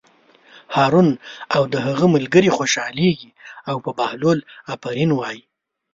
هارون او د هغه ملګري خوشحالېږي او په بهلول آفرین وایي.